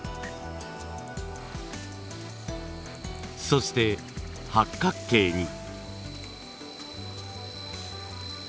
そして八角形に。